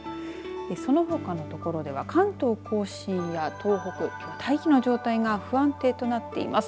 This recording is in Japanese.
そのほかのところでは関東甲信や東北大気の状態が不安定となっています。